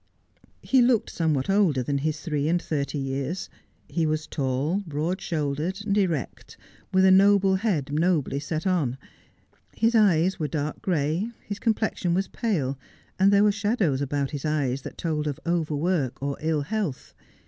He looked somewhat olde^ than his three and thirty years. He was tall, broad shouldered, erect ; with a noble head nobly set on. His eyes were dark gray, his complexion was pale, and there were shadows about his eyes that told of overwork or ill health.